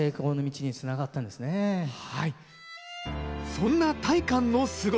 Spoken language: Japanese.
そんな大観のすごさ！